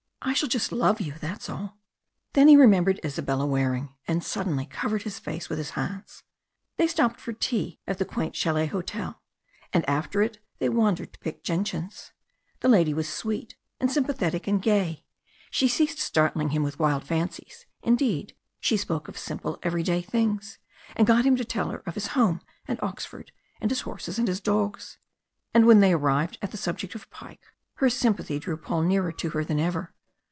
"I shall just love you that's all!" Then he remembered Isabella Waring, and suddenly covered his face with his hands. They stopped for tea at the quaint châlet hotel, and after it they wandered to pick gentians. The lady was sweet and sympathetic and gay; she ceased startling him with wild fancies; indeed, she spoke of simple everyday things, and got him to tell her of his home and Oxford, and his horses and his dogs. And when they arrived at the subject of Pike, her sympathy drew Paul nearer to her than ever.